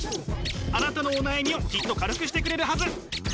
あなたのお悩みをきっと軽くしてくれるはず。